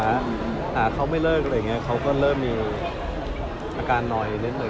แต่ถ้าเข้าไม่เลิกเขาก็เริ่มมีอาการหน่อยเนี่ย